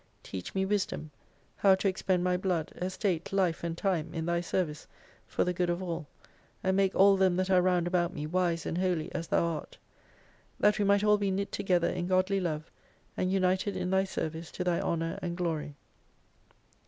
Teach me wisdom, how to expend my blood, estate, life, and time in Thy service for the good of all, and make all them that are round about me wise and holy as Thou art. That we might all be knit together in Godly Love, and united in Thy service to Thy Honour and Glory.